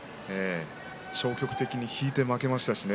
消極的に引いて負けましたしね